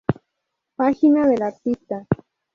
Página del artista